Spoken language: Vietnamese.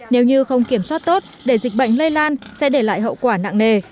nếu như không kiểm soát tốt để dịch bệnh lây lan sẽ để lại hậu quả nặng nề